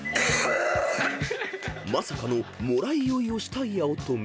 ［まさかのもらい酔いをした八乙女］